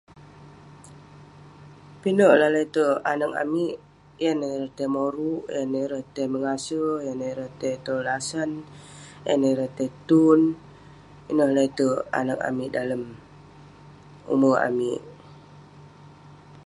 Pinek lah lete'erk anag amik. Yan neh ireh tai moruk, yan neh ireh tai mengase, yan neh ireh tai tong lasan, yan neh ireh tai tun. Ineh lete'erk anag amik dalem ume' amik.